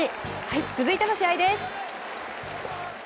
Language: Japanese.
続いての試合です。